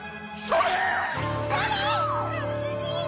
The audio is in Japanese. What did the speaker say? それ！